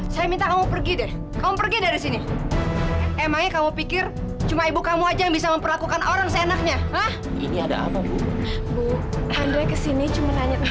sampai jumpa di video selanjutnya